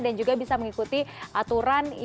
dan juga bisa mengikuti aturan yang tiga